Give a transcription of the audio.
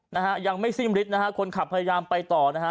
นะฮะยังไม่สิ้นฤทธินะฮะคนขับพยายามไปต่อนะฮะ